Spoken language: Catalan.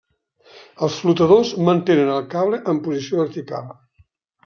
Els flotadors mantenen el cable en posició vertical.